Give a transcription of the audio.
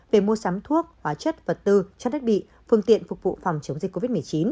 về mua sắm thuốc hóa chất vật tư trang thiết bị phương tiện phục vụ phòng chống dịch covid một mươi chín